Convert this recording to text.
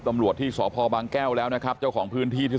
ตำรวจที่สพบางแก้วแล้วนะครับเจ้าของพื้นที่ที่